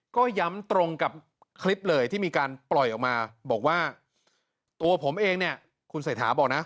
ก็ย้ำตรงกับคลิปเลยที่มีการปล่อยออกมาบอกว่าตัวผมเองเนี่ยคุณเศรษฐาบอกนะ